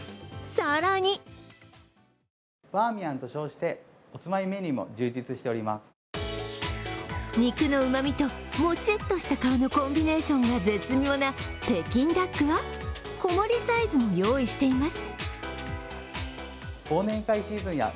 更に肉のうまみともちっとした皮のコンビネーションが絶妙な北京ダックは小盛サイズも用意しています。